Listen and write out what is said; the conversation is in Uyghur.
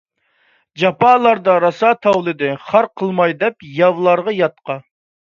جاپالاردا راسا تاۋلىدى، خار قىلماي دەپ ياۋلارغا ياتقا.